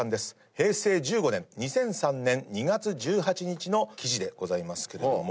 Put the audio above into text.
平成１５年２００３年２月１８日の記事でございますけれども。